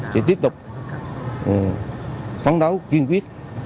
sẽ tiếp tục phóng đấu kiên quyết